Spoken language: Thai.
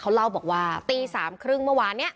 เขาเล่าบอกว่าตีสามครึ่งเมื่อวานเนี่ย